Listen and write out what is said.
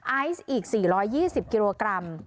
ไอซ์อีก๔๒๐กิโลกรัม